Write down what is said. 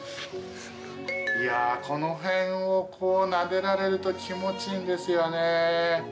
いやこの辺をこうなでられると気持ちいいんですよねえ。